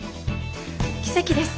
奇跡です！